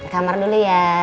kamar dulu ya